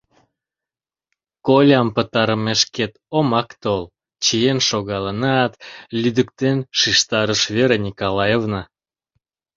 — Колям пытарымешкет омак тол! — чиен шогалынат, лӱдыктен шижтарыш Вера Николаевна.